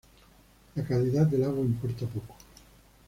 La calidad del agua importa poco.